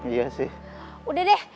iya sih udah deh